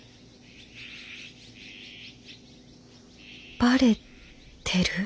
バレてる？